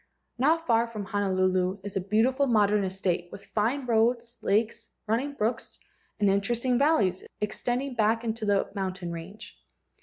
Not far from Honolulu is a beautiful modern estate with fine roads, lakes, running brooks, and interesting valleys extending back into the mountain range.